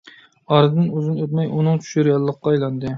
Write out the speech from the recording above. ئارىدىن ئۇزۇن ئۆتمەي ئۇنىڭ چۈشى رېئاللىققا ئايلاندى.